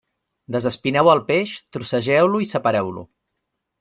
Desespineu el peix, trossegeu-lo i separeu-lo.